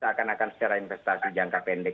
seakan akan secara investasi jangka pendek